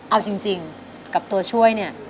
เอาจริงกับตัวช่วยเนี่ย